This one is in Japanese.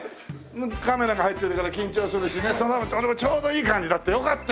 カメラが入ってるから緊張するしね俺もちょうどいい感じだった。